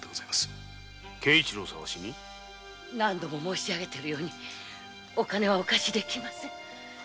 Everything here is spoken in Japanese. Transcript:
何度も申しているようにお金はお貸しできません。